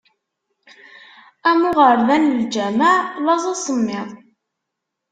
Am uɣerda n lǧameɛ: laẓ, asemmiḍ.